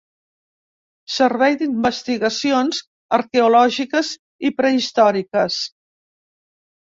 Servei d'Investigacions Arqueològiques i Prehistòriques.